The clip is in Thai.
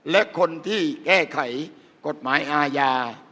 และคนที่แก้ไขกฎหมายอาญา